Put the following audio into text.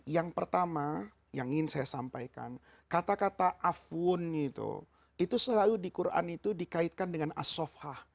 yang pertama yang ingin saya sampaikan kata kata afun itu itu selalu di quran itu dikaitkan dengan asofah